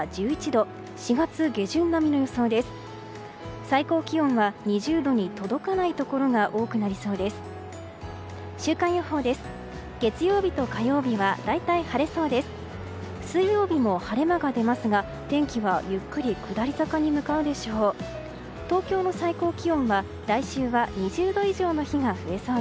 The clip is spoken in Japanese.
水曜日も晴れ間が出ますが天気はゆっくり下り坂に向かうでしょう。